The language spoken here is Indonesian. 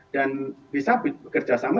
dan bisa bekerjasama